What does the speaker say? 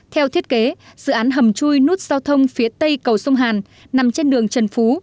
theo thiết kế dự án hầm chui nút giao thông phía tây cầu sông hàn nằm trên đường trần phú